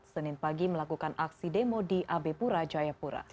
senin pagi melakukan aksi demo di abepura jayapura